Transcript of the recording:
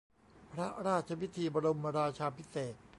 พระราชพิธีบรมราชาภิเษก